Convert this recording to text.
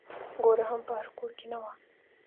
ګوړه هم په هر کور کې نه وه.